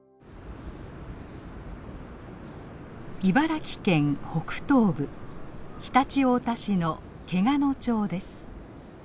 茨城県北東部常陸太田市の天下野町です。